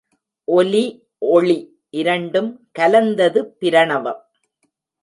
ஒலி ஒளி இரண்டும் கலந்தது பிரணவம்.